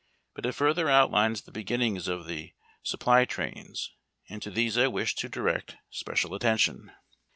But it farther outlines the beginnings of the Supply Trains, and to these I wish to direct sj)ecial attention.